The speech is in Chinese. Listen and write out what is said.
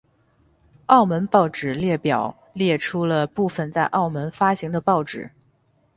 澳门报纸列表列出了部分在澳门发行的报纸。